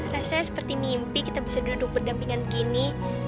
rasanya seperti mimpi kita bisa duduk berdampingan gini